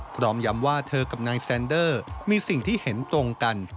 พร้อมยำว่าเธอกับนายแซนเดอร์มีสิ่งที่เห็นตรงกัน